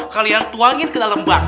kalian tuangin ke dalam bak